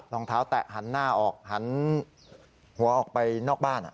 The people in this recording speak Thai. รองเท้าแตะหันหน้าออกหันหัวออกไปนอกบ้าน